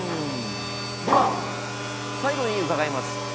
では最後に伺います。